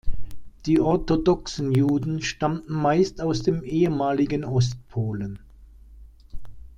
Die orthodoxen Juden stammten meist aus dem ehemaligen Ostpolen.